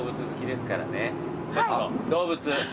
ちょっと動物。